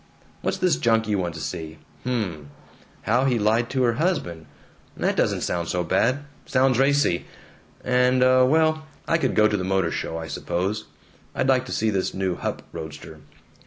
What's this junk you want to see? Hm. 'How He Lied to Her Husband.' That doesn't listen so bad. Sounds racy. And, uh, well, I could go to the motor show, I suppose. I'd like to see this new Hup roadster.